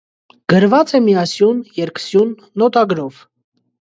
Գրված է միասյուն, երկսյուն, նոտագրով։